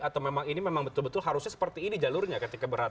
atau memang ini memang betul betul harusnya seperti ini jalurnya ketika berat